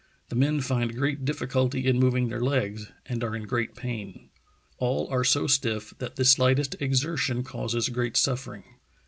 The men find great difficulty in moving their legs, and are in great pain. ... All are so stiff that the slightest exertion causes great suffering.